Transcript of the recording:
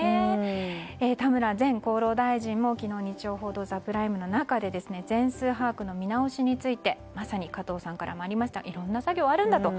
田村前厚労大臣も昨日、「日曜報道ＴＨＥＰＲＩＭＥ」の中で全数把握の見直しについてまさに、加藤さんからもありましたがいろんな作業があるんだと。